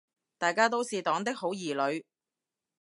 大家都是黨的好兒女